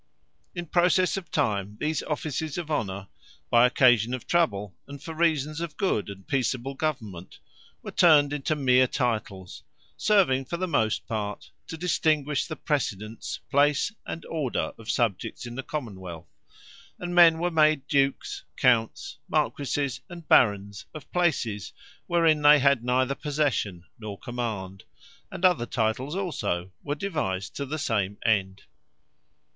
In processe of time these offices of Honour, by occasion of trouble, and for reasons of good and peacable government, were turned into meer Titles; serving for the most part, to distinguish the precedence, place, and order of subjects in the Common wealth: and men were made Dukes, Counts, Marquises, and Barons of Places, wherein they had neither possession, nor command: and other Titles also, were devised to the same end.